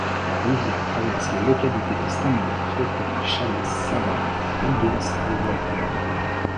La rivière traverse les localités de Stanley, Clayton, Challis, Salmon, Riggins et White Bird.